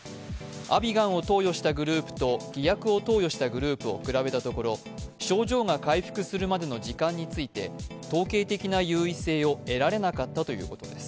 アビガンを投与したグループと、偽薬を投与したグループを比べたところ、症状が回復するまでの時間について統計的な優位性を得られなかったということです。